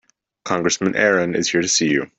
Congressman Aaron is here to see you.